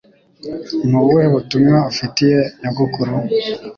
Nubuhe butumwa ufitiye nyogokuru